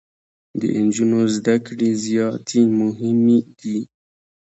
د انجونو زده کړي زياتي مهمي دي.